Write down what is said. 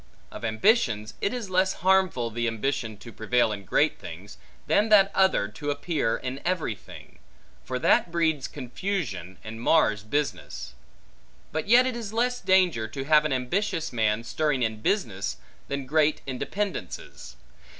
Of ambitions, it is less harmful, the ambition to prevail in great things, than that other, to appear in every thing; for that breeds confusion, and mars business. But yet it is less danger, to have an ambitious man stirring in business, than great in dependences.